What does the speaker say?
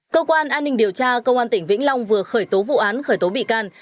cơ quan an ninh điều tra công an tỉnh vĩnh long vừa khởi tố vụ án khởi tố bị can